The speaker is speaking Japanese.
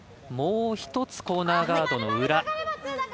もう一つ、コーナーガードの裏。